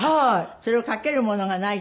それをかけるものがないとね。